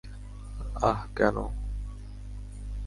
আহ, কেন?